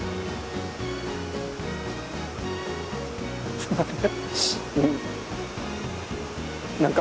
すいません。